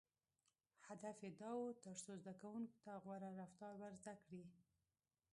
• هدف یې دا و، تر څو زدهکوونکو ته غوره رفتار ور زده کړي.